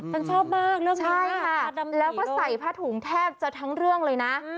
ฉันชอบมากเรื่องนี้ค่ะแล้วก็ใส่ผ้าถุงแทบจะทั้งเรื่องเลยนะ